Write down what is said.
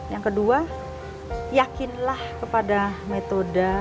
yang kedua yakinlah kepada metode yang terbaik